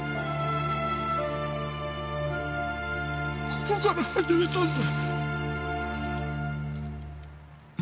ここから始めたんだ。